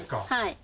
はい。